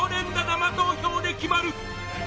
生投票で決まる！